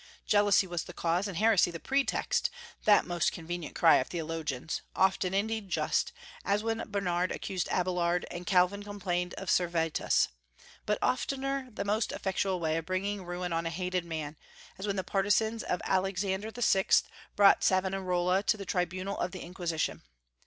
Jealousy was the cause, and heresy the pretext, that most convenient cry of theologians, often indeed just, as when Bernard accused Abélard, and Calvin complained of Servetus; but oftener, the most effectual way of bringing ruin on a hated man, as when the partisans of Alexander VI. brought Savonarola to the tribunal of the Inquisition.